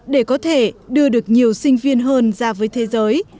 để có thể đưa được nhiều sinh viên hơn ra với thế giới